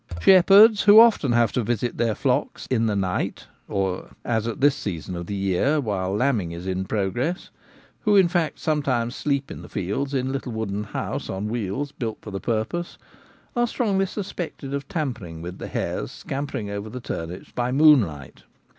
Shepherds, who often have to visit their flocks in the night — as at this season of the year, while lamb ing is in progress — who, in fact, sometimes sleep in the fields in a little wooden house on wheels built for the purpose, are strongly suspected of tampering with the hares scampering over the turnips by moonlight.